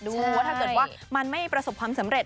ว่าถ้าเกิดว่ามันไม่ประสบความสำเร็จ